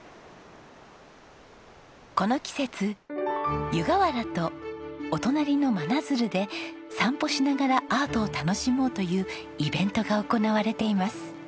この季節湯河原とお隣の真鶴で散歩しながらアートを楽しもうというイベントが行われています。